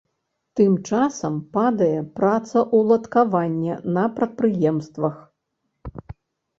Тым часам падае працаўладкаванне на прадпрыемствах.